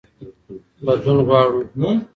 بدلون غواړو.